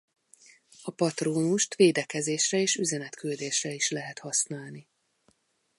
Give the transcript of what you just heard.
A patrónust védekezésre és üzenetküldésre is lehet használni.